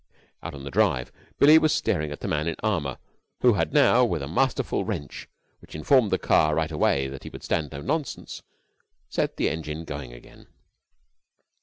Out on the drive Billie was staring at the man in armour who had now, with a masterful wrench which informed the car right away that he would stand no nonsense, set the engine going again.